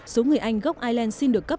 số người anh gốc ireland xin được cấp